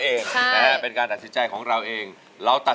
เพลงนี้อยู่ในอาราบัมชุดแรกของคุณแจ็คเลยนะครับ